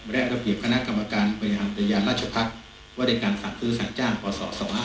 แรกระเบียบคณะกรรมการบริหารดิยาราชภักดิ์วัฒนศ์ของในการส่งคืนสงล์พศ๒๕๕๘